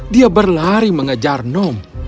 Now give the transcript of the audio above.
dia berlari mengejar nom